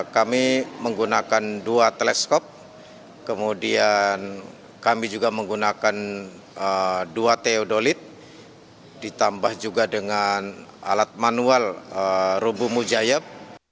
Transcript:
kami menggunakan dua teleskop kemudian kami juga menggunakan dua teodolit ditambah juga dengan alat manual rubuh mujayab